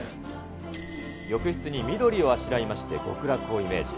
浴室に緑をあしらいまして、極楽をイメージ。